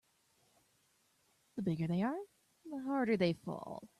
The bigger they are the harder they fall.